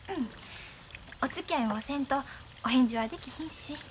おつきあいもせんとお返事はできひんし。